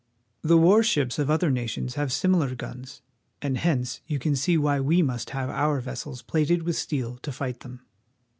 The war ships of other nations have similar guns, and hence you see why we must have our vessels plated with steel to fight them.